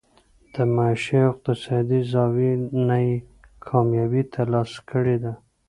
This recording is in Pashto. د معاشي او اقتصادي زاويې نه ئې کاميابي تر لاسه کړې ده